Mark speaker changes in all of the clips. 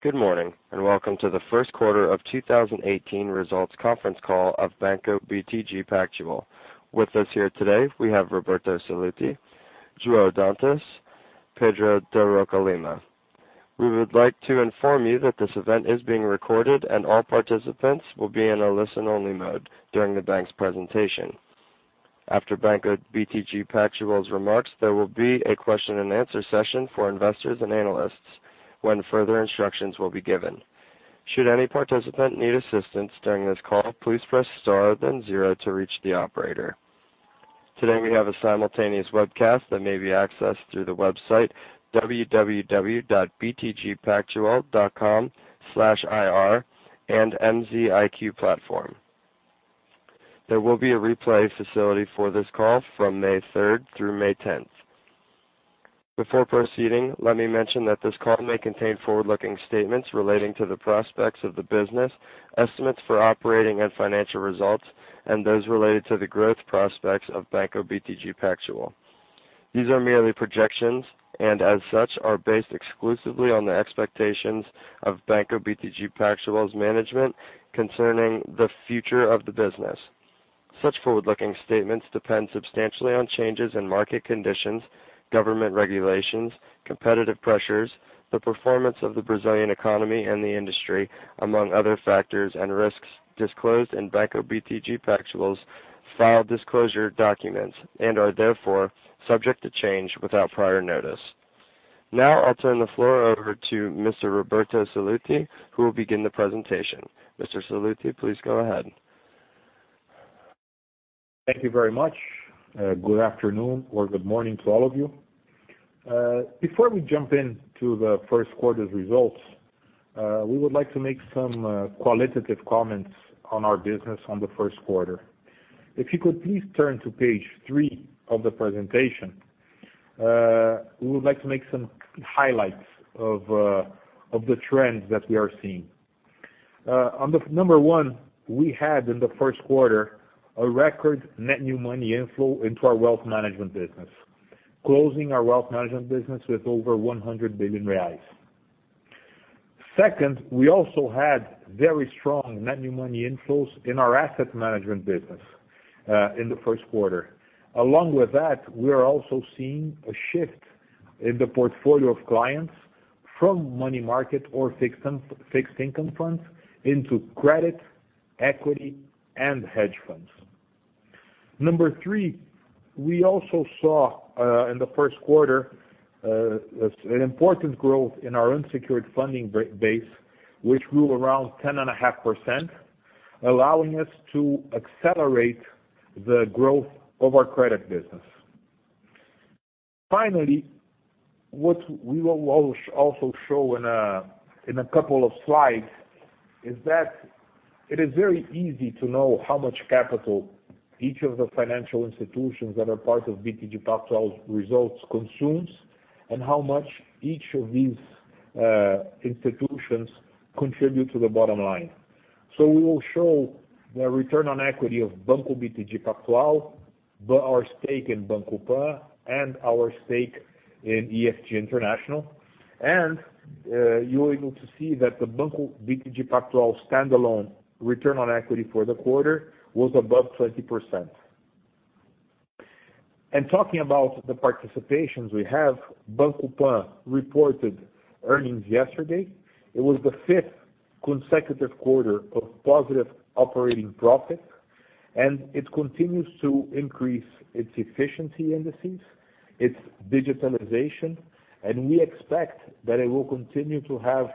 Speaker 1: Good morning. Welcome to the first quarter of 2018 results conference call of Banco BTG Pactual. With us here today, we have Roberto Sallouti, João Dantas, Pedro de Roca Lima. We would like to inform you that this event is being recorded, and all participants will be in a listen-only mode during the bank's presentation. After Banco BTG Pactual's remarks, there will be a question and answer session for investors and analysts when further instructions will be given. Should any participant need assistance during this call, please press star then zero to reach the operator. Today, we have a simultaneous webcast that may be accessed through the website www.btgpactual.com/ir and MZiQ platform. There will be a replay facility for this call from May 3rd through May 10th. Before proceeding, let me mention that this call may contain forward-looking statements relating to the prospects of the business, estimates for operating and financial results, and those related to the growth prospects of Banco BTG Pactual. These are merely projections. As such, are based exclusively on the expectations of Banco BTG Pactual's management concerning the future of the business. Such forward-looking statements depend substantially on changes in market conditions, government regulations, competitive pressures, the performance of the Brazilian economy and the industry, among other factors. Risks disclosed in Banco BTG Pactual's file disclosure documents and are therefore subject to change without prior notice. Now I'll turn the floor over to Mr. Roberto Sallouti, who will begin the presentation. Mr. Sallouti, please go ahead.
Speaker 2: Thank you very much. Good afternoon or good morning to all of you. Before we jump into the first quarter's results, we would like to make some qualitative comments on our business on the first quarter. If you could please turn to page three of the presentation, we would like to make some highlights of the trends that we are seeing. On the number one, we had in the first quarter a record net new money inflow into our wealth management business, closing our wealth management business with over 100 billion reais. Second, we also had very strong net new money inflows in our asset management business, in the first quarter. We are also seeing a shift in the portfolio of clients from money market or fixed income funds into credit, equity, and hedge funds. Number three, we also saw, in the first quarter, an important growth in our unsecured funding base, which grew around 10.5%, allowing us to accelerate the growth of our credit business. Finally, what we will also show in a couple of slides is that it is very easy to know how much capital each of the financial institutions that are part of BTG Pactual's results consumes and how much each of these institutions contribute to the bottom line. We will show the return on equity of Banco BTG Pactual, our stake in Banco Pan, and our stake in EFG International. You are able to see that the Banco BTG Pactual standalone return on equity for the quarter was above 20%. Talking about the participations we have, Banco Pan reported earnings yesterday. It was the fifth consecutive quarter of positive operating profit, and it continues to increase its efficiency indices, its digitalization, and we expect that it will continue to have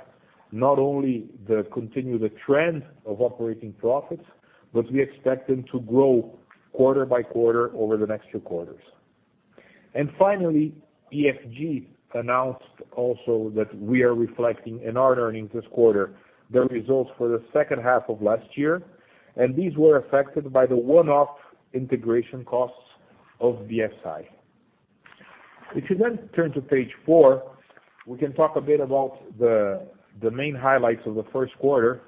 Speaker 2: not only the continued trend of operating profits, but we expect them to grow quarter by quarter over the next few quarters. Finally, EFG announced also that we are reflecting in our earnings this quarter the results for the second half of last year, and these were affected by the one-off integration costs of BSI. If you turn to page four, we can talk a bit about the main highlights of the first quarter,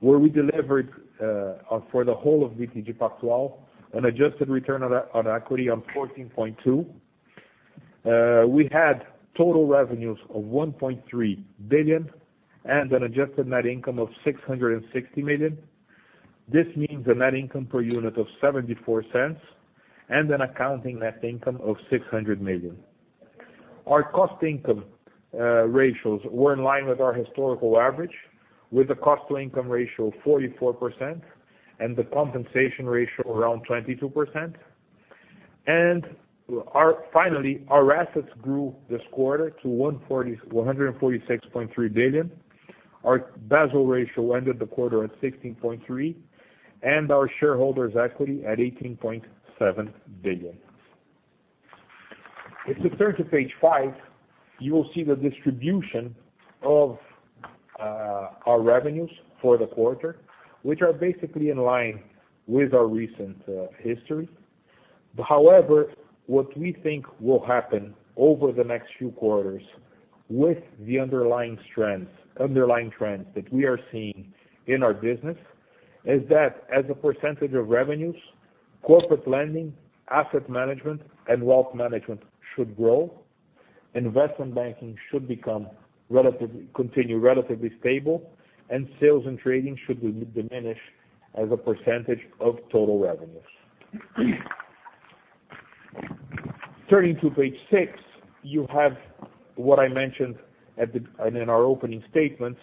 Speaker 2: where we delivered, for the whole of BTG Pactual, an adjusted return on equity of 14.2%. We had total revenues of 1.3 billion and an adjusted net income of 660 million. This means a net income per unit of 0.74 and an accounting net income of 600 million. Our cost income ratios were in line with our historical average, with a cost-to-income ratio of 44% and the compensation ratio around 22%. Finally, our assets grew this quarter to 146.3 billion. Our Basel Ratio ended the quarter at 16.3% and our shareholders' equity at 18.7 billion. If you turn to page five, you will see the distribution of our revenues for the quarter, which are basically in line with our recent history. However, what we think will happen over the next few quarters with the underlying trends that we are seeing in our business is that as a percentage of revenues Corporate Lending, Asset Management, and Wealth Management should grow. Investment Banking should continue relatively stable, and Sales and Trading should diminish as a percentage of total revenues. Turning to page six, you have what I mentioned in our opening statements,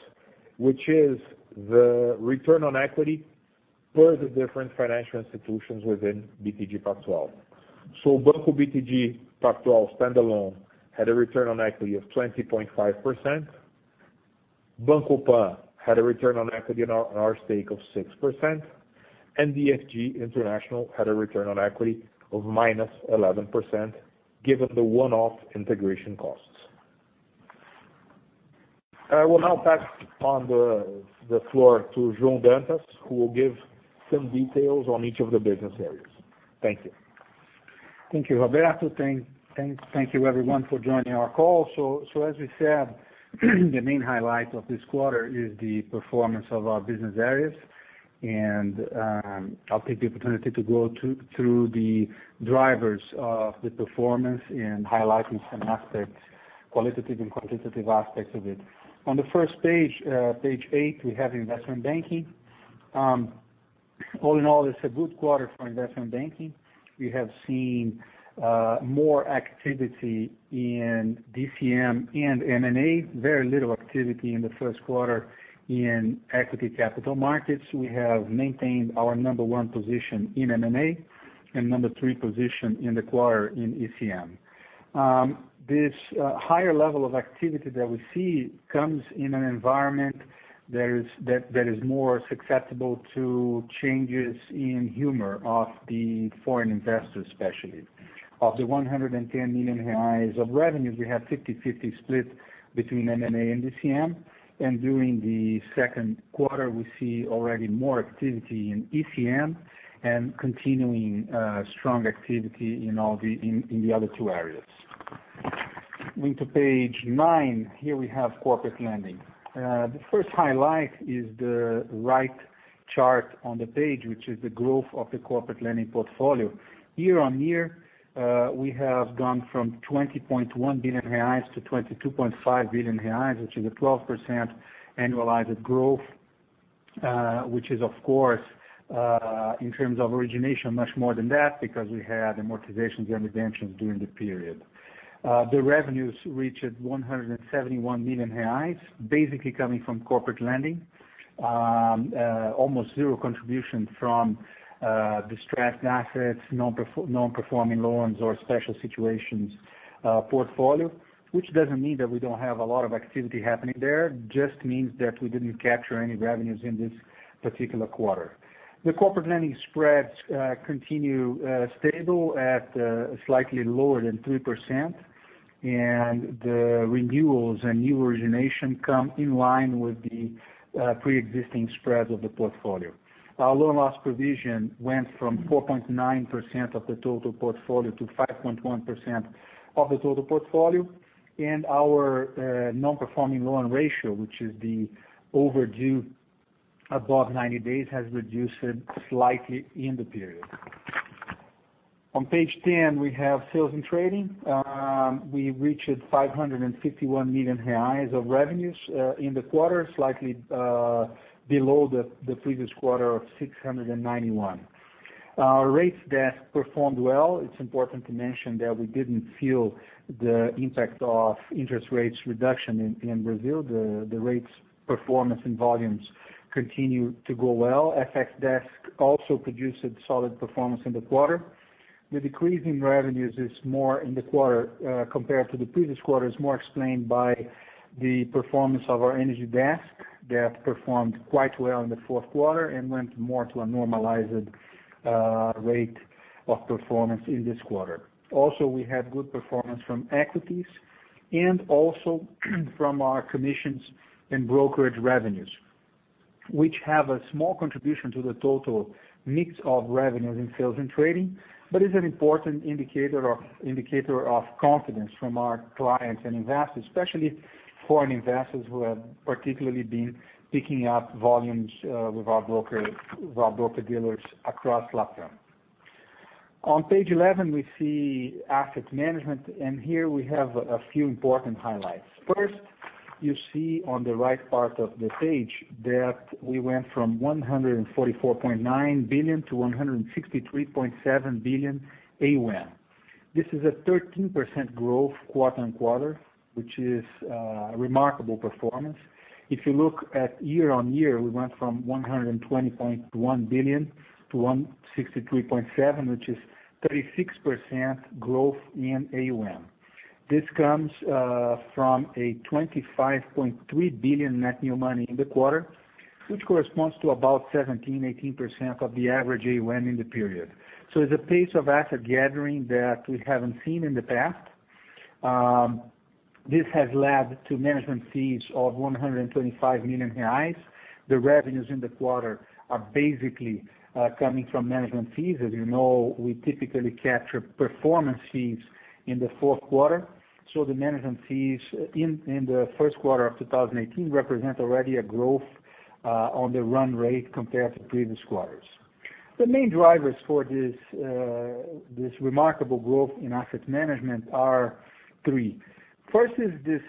Speaker 2: which is the return on equity per the different financial institutions within BTG Pactual. Banco BTG Pactual standalone had a return on equity of 20.5%. Banco Pan had a return on equity on our stake of 6%, and EFG International had a return on equity of -11%, given the one-off integration costs. I will now pass on the floor to João Dantas, who will give some details on each of the business areas. Thank you.
Speaker 3: Thank you, Roberto. Thank you, everyone, for joining our call. As we said, the main highlight of this quarter is the performance of our business areas. I'll take the opportunity to go through the drivers of the performance and highlighting some aspects, qualitative and quantitative aspects of it. On the first page eight, we have Investment Banking. All in all, it's a good quarter for Investment Banking. We have seen more activity in DCM and M&A. Very little activity in the first quarter in Equity Capital Markets. We have maintained our number one position in M&A and number three position in the quarter in ECM. This higher level of activity that we see comes in an environment that is more susceptible to changes in humor of the foreign investors, especially. Of the 110 million reais of revenues, we have 50/50 split between M&A and DCM. During the second quarter, we see already more activity in ECM and continuing strong activity in the other two areas. Going to page nine, here we have corporate lending. The first highlight is the right chart on the page, which is the growth of the corporate lending portfolio. Year-on-year, we have gone from 20.1 billion reais to 22.5 billion reais, which is a 12% annualized growth, which is, of course, in terms of origination, much more than that because we had amortizations and redemptions during the period. The revenues reached 171 million reais, basically coming from corporate lending. Almost zero contribution from distressed assets, non-performing loans, or special situations portfolio, which doesn't mean that we don't have a lot of activity happening there, just means that we didn't capture any revenues in this particular quarter. The corporate lending spreads continue stable at slightly lower than 3%. The renewals and new origination come in line with the preexisting spreads of the portfolio. Our loan loss provision went from 4.9% of the total portfolio to 5.1% of the total portfolio. Our non-performing loan ratio, which is the overdue above 90 days, has reduced slightly in the period. On page 10, we have sales and trading. We reached 551 million reais of revenues in the quarter, slightly below the previous quarter of 691. Our rates desk performed well. It's important to mention that we didn't feel the impact of interest rates reduction in Brazil. The rates performance and volumes continue to go well. FX desk also produced a solid performance in the quarter. The decrease in revenues in the quarter, compared to the previous quarter, is more explained by the performance of our energy desk that performed quite well in the fourth quarter and went more to a normalized rate of performance in this quarter. We had good performance from equities and also from our commissions and brokerage revenues, which have a small contribution to the total mix of revenues in sales and trading, but is an important indicator of confidence from our clients and investors, especially foreign investors who have particularly been picking up volumes with our broker-dealers across platform. On page 11, we see asset management. Here we have a few important highlights. First, you see on the right part of the page that we went from 144.9 billion to 163.7 billion AUM. This is a 13% growth quarter-on-quarter, which is a remarkable performance. If you look at year-on-year, we went from 120.1 billion to 163.7, which is 36% growth in AUM. This comes from a 25.3 billion net new money in the quarter, which corresponds to about 17%, 18% of the average AUM in the period. It's a pace of asset gathering that we haven't seen in the past. This has led to management fees of 125 million reais. The revenues in the quarter are basically coming from management fees. As you know, we typically capture performance fees in the fourth quarter. The management fees in the first quarter of 2018 represent already a growth on the run rate compared to previous quarters. The main drivers for this remarkable growth in asset management are three. First is this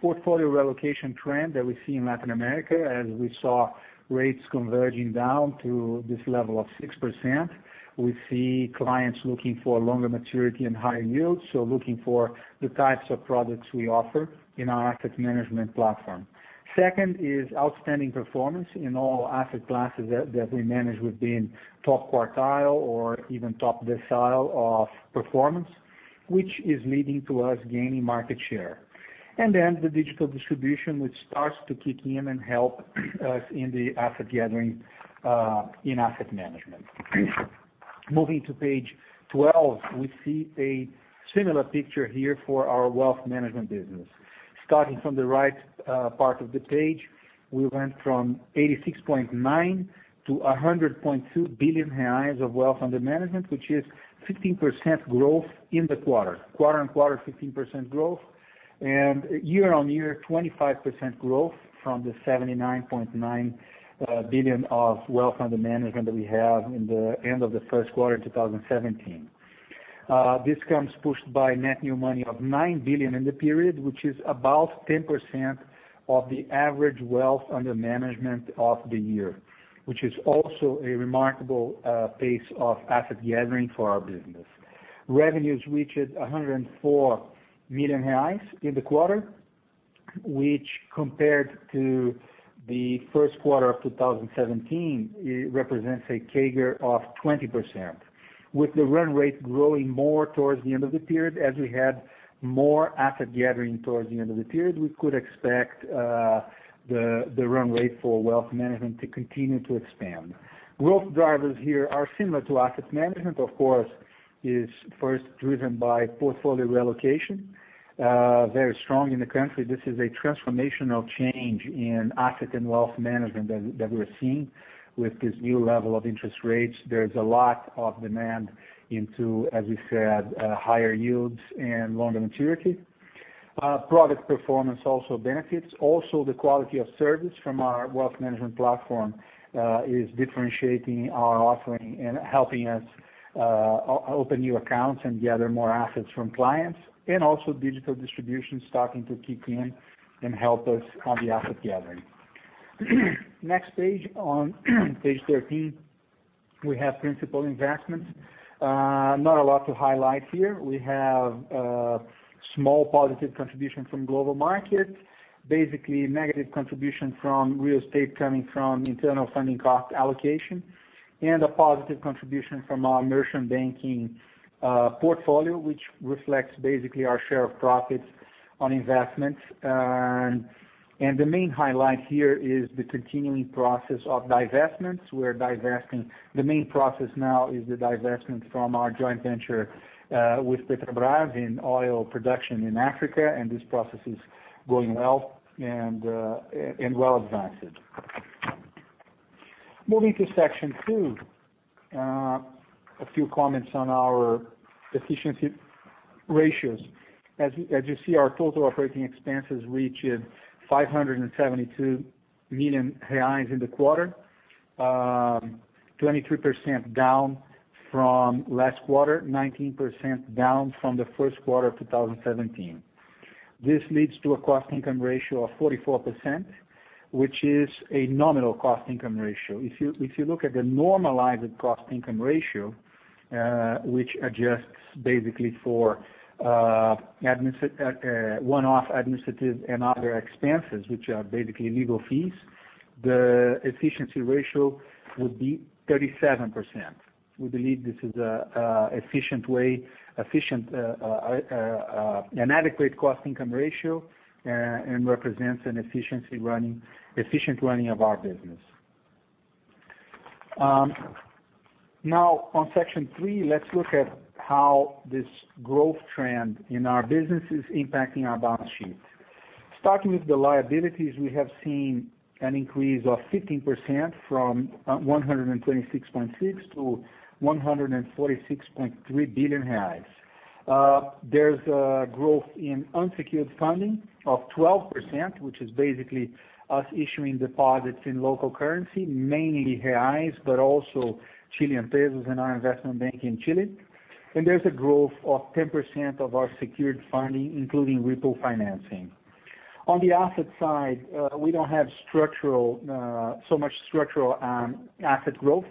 Speaker 3: portfolio reallocation trend that we see in Latin America, as we saw rates converging down to this level of 6%. We see clients looking for longer maturity and higher yields, looking for the types of products we offer in our asset management platform. Second is outstanding performance in all asset classes that we manage within top quartile or even top decile of performance, which is leading to us gaining market share. The digital distribution, which starts to kick in and help us in the asset gathering in asset management. Moving to page 12, we see a similar picture here for our wealth management business. Starting from the right part of the page, we went from 86.9 billion to 100.2 billion reais of wealth under management, which is 15% growth in the quarter. Quarter-on-quarter, 15% growth, and year-on-year, 25% growth from the 79.9 billion of wealth under management that we have in the end of the first quarter of 2017. This comes pushed by net new money of 9 billion in the period, which is above 10% of the average wealth under management of the year, which is also a remarkable pace of asset gathering for our business. Revenues reached 104 million reais in the quarter, which compared to the first quarter of 2017, it represents a CAGR of 20%, with the run rate growing more towards the end of the period as we had more asset gathering towards the end of the period. We could expect the run rate for wealth management to continue to expand. Growth drivers here are similar to asset management, of course, is first driven by portfolio reallocation, very strong in the country. This is a transformational change in asset and wealth management that we're seeing with this new level of interest rates. There's a lot of demand into, as we said, higher yields and longer maturity. Product performance also benefits. Also, the quality of service from our wealth management platform is differentiating our offering and helping us open new accounts and gather more assets from clients. Digital distribution starting to kick in and help us on the asset gathering. Next page, on page 13, we have principal investments. Not a lot to highlight here. We have a small positive contribution from global market. Basically, negative contribution from real estate coming from internal funding cost allocation, and a positive contribution from our merchant banking portfolio, which reflects basically our share of profits on investments. The main highlight here is the continuing process of divestments. The main process now is the divestment from our joint venture with Petrobras in oil production in Africa, and this process is going well and well-advanced. Moving to section two, a few comments on our efficiency ratios. As you see, our total operating expenses reached 572 million reais in the quarter, 23% down from last quarter, 19% down from the first quarter of 2017. This leads to a cost-income ratio of 44%, which is a nominal cost-income ratio. If you look at the normalized cost-income ratio, which adjusts basically for one-off administrative and other expenses, which are basically legal fees, the efficiency ratio would be 37%. We believe this is an adequate cost-income ratio and represents an efficient running of our business. On section three, let's look at how this growth trend in our business is impacting our balance sheet. Starting with the liabilities, we have seen an increase of 15% from 126.6 billion to 146.3 billion reais. There's a growth in unsecured funding of 12%, which is basically us issuing deposits in local currency, mainly BRL, but also Chilean pesos in our investment bank in Chile. And there's a growth of 10% of our secured funding, including repo financing. On the asset side, we don't have so much structural asset growth.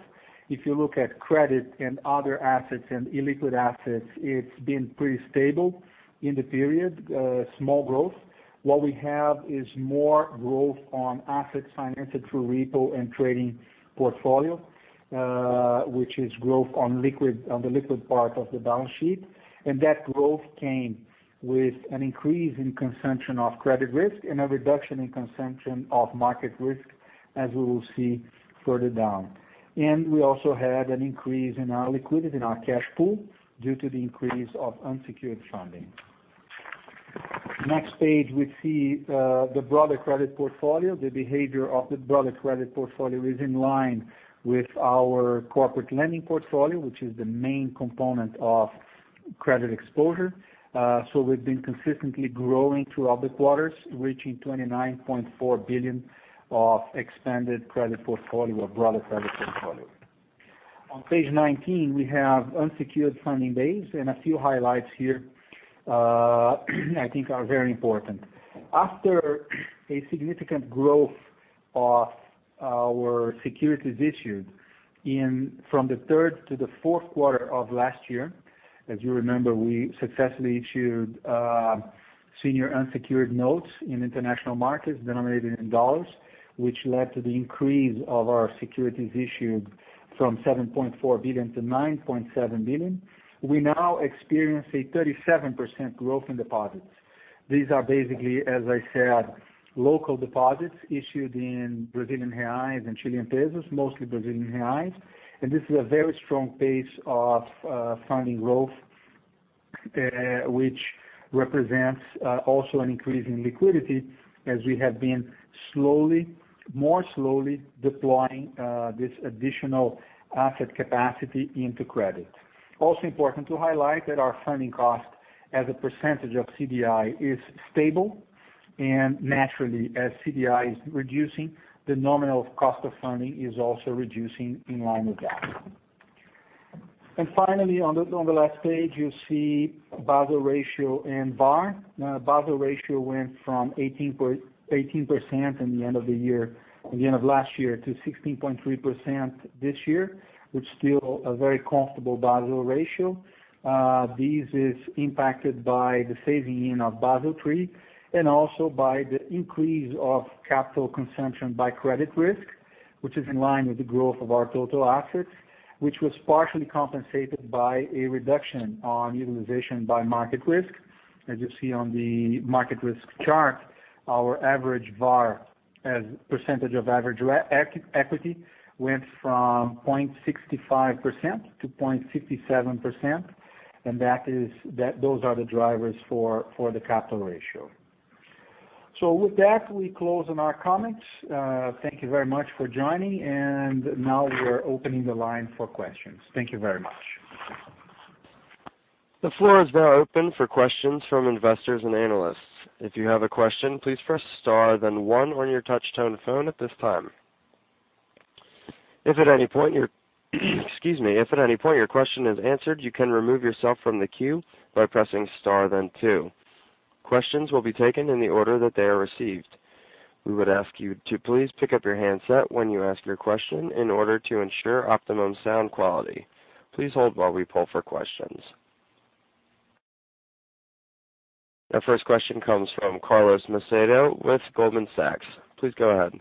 Speaker 3: If you look at credit and other assets and illiquid assets, it's been pretty stable in the period, small growth. What we have is more growth on assets financed through repo and trading portfolio, which is growth on the liquid part of the balance sheet. And that growth came with an increase in consumption of credit risk and a reduction in consumption of market risk, as we will see further down. And we also had an increase in our liquidity in our cash pool due to the increase of unsecured funding. Next page, we see the broader credit portfolio. The behavior of the broader credit portfolio is in line with our corporate lending portfolio, which is the main component of Credit exposure. So we've been consistently growing throughout the quarters, reaching 29.4 billion of expanded credit portfolio, broader credit portfolio. On page 19, we have unsecured funding base and a few highlights here I think are very important. After a significant growth of our securities issued from the third to the fourth quarter of last year, as you remember, we successfully issued senior unsecured notes in international markets denominated in dollars, which led to the increase of our securities issued from $7.4 billion to $9.7 billion. We now experience a 37% growth in deposits. These are basically, as I said, local deposits issued in BRL and Chilean pesos, mostly BRL. And this is a very strong pace of funding growth, which represents also an increase in liquidity as we have been more slowly deploying this additional asset capacity into credit. Also important to highlight that our funding cost as a percentage of CDI is stable, and naturally as CDI is reducing, the nominal cost of funding is also reducing in line with that. And finally, on the last page, you see Basel ratio and VaR. Basel ratio went from 18% in the end of last year to 16.3% this year, which still a very comfortable Basel ratio. This is impacted by the phasing in of Basel III and also by the increase of capital consumption by credit risk, which is in line with the growth of our total assets, which was partially compensated by a reduction on utilization by market risk. As you see on the market risk chart, our average VaR as a percentage of average equity went from 0.65% to 0.67%, and those are the drivers for the capital ratio. With that, we close on our comments. Thank you very much for joining, and now we are opening the line for questions. Thank you very much.
Speaker 1: The floor is now open for questions from investors and analysts. If you have a question, please press star, then one on your touch-tone phone at this time. If at any point your question is answered, you can remove yourself from the queue by pressing star then two. Questions will be taken in the order that they are received. We would ask you to please pick up your handset when you ask your question in order to ensure optimum sound quality. Please hold while we poll for questions. Our first question comes from Carlos Macedo with Goldman Sachs. Please go ahead.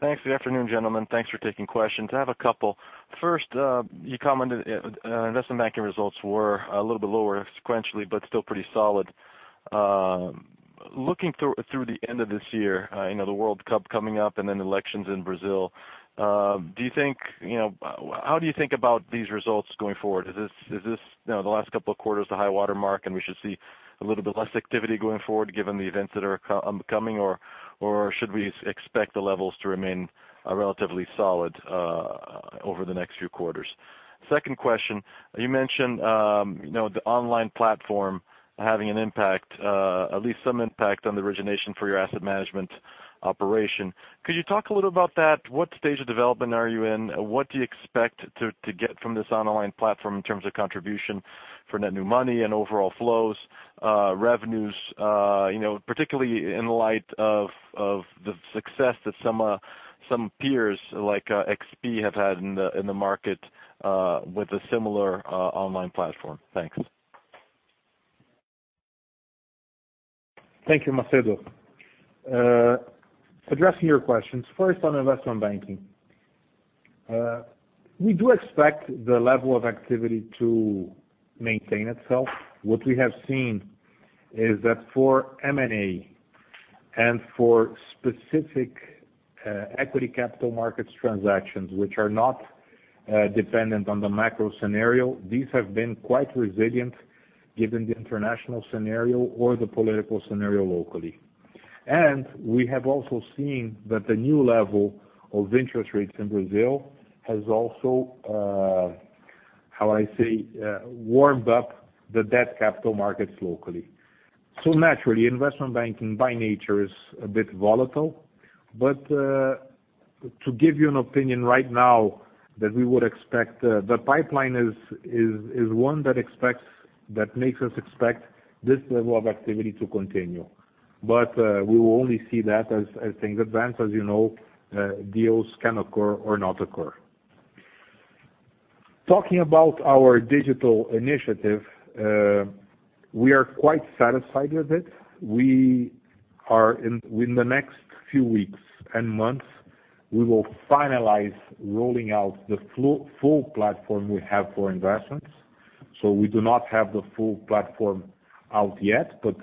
Speaker 4: Thanks. Good afternoon, gentlemen. Thanks for taking questions. I have a couple. First, you commented investment banking results were a little bit lower sequentially, but still pretty solid. Looking through the end of this year, the World Cup coming up and then elections in Brazil, how do you think about these results going forward? Is this the last couple of quarters, the high water mark, and we should see a little bit less activity going forward given the events that are coming, or should we expect the levels to remain relatively solid over the next few quarters? Second question, you mentioned the online platform having an impact, at least some impact on the origination for your asset management operation. Could you talk a little about that? What stage of development are you in? What do you expect to get from this online platform in terms of contribution for net new money and overall flows, revenues, particularly in light of the success that some peers like XP have had in the market with a similar online platform? Thanks.
Speaker 3: Thank you, Macedo. Addressing your questions, first on investment banking. We do expect the level of activity to maintain itself. What we have seen is that for M&A and for specific equity capital markets transactions, which are not dependent on the macro scenario, these have been quite resilient given the international scenario or the political scenario locally. We have also seen that the new level of interest rates in Brazil has also, how I say, warmed up the debt capital markets locally. Naturally, investment banking, by nature, is a bit volatile, but to give you an opinion right now that we would expect, the pipeline is one that makes us expect this level of activity to continue. We will only see that as things advance. As you know, deals can occur or not occur. Talking about our digital initiative, we are quite satisfied with it. In the next few weeks and months, we will finalize rolling out the full platform we have for investments. We do not have the full platform out yet, but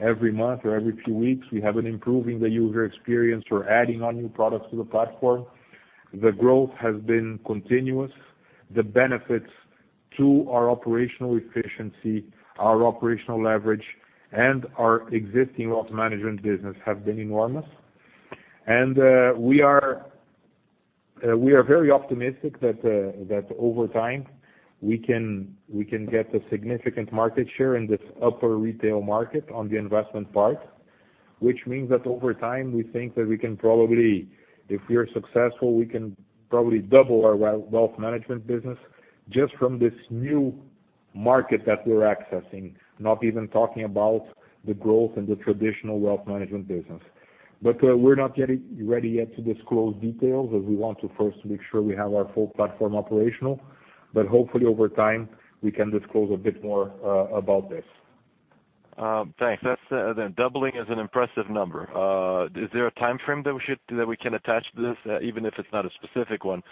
Speaker 3: every month or every few weeks, we have been improving the user experience or adding on new products to the platform. The growth has been continuous. The benefits to our operational efficiency, our operational leverage, and our existing wealth management business have been enormous. We are
Speaker 2: We are very optimistic that over time we can get a significant market share in this upper retail market on the investment part, which means that over time, we think that we can probably, if we are successful, we can probably double our wealth management business just from this new market that we're accessing, not even talking about the growth in the traditional wealth management business. We're not ready yet to disclose details as we want to first make sure we have our full platform operational. Hopefully over time, we can disclose a bit more about this.
Speaker 4: Thanks. Doubling is an impressive number. Is there a timeframe that we can attach to this, even if it's not a specific one?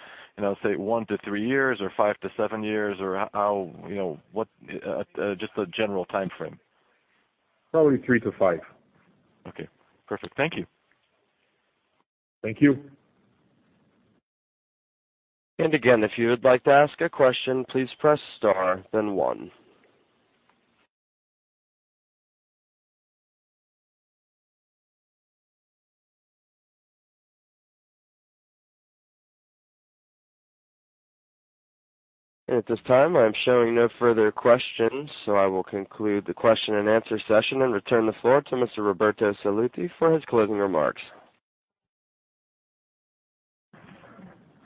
Speaker 4: Say 1 to 3 years or 5 to 7 years, or just a general timeframe.
Speaker 2: Probably 3 to 5.
Speaker 4: Okay, perfect. Thank you.
Speaker 2: Thank you.
Speaker 1: Again, if you would like to ask a question, please press star then one. At this time, I'm showing no further questions, so I will conclude the question and answer session and return the floor to Mr. Roberto Sallouti for his closing remarks.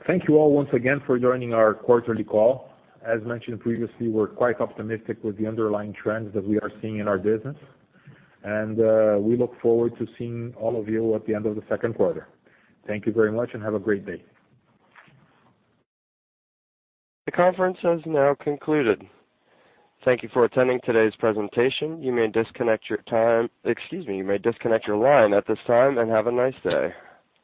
Speaker 2: Thank you all once again for joining our quarterly call. As mentioned previously, we're quite optimistic with the underlying trends that we are seeing in our business. We look forward to seeing all of you at the end of the second quarter. Thank you very much and have a great day.
Speaker 1: The conference has now concluded. Thank you for attending today's presentation. You may disconnect your line at this time and have a nice day.